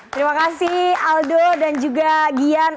terima kasih aldo dan juga gian